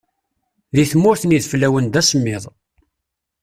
Di tmurt n yideflawen d asemmiḍ.